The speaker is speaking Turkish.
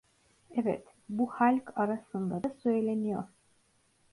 Evet, bu halk arasında da söyleniyor.